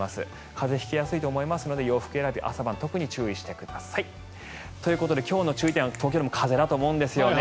風邪を引きやすいと思いますので洋服選び朝晩、特に注意してください。ということで今日の注意点は東京でも風だと思うんですよね。